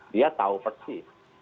dia tahu persis